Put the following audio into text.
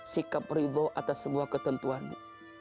sikap ridho atas semua ketentuan mu